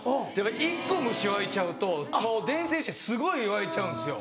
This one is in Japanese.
１個虫湧いちゃうと伝染してすごい湧いちゃうんですよ。